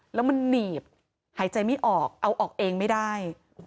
แล้วมันหนีบหายใจไม่ออกเอาออกเองไม่ได้